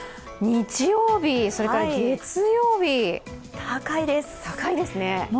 日曜日、月曜日、高いですね。